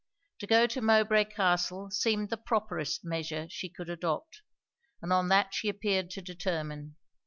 To go to Mowbray Castle seemed the properest measure she could adopt; and on that she appeared to determine.